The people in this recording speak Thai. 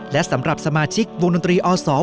และสำหรับสมาชิกวงดนตรีออฟเวรี่ยนต์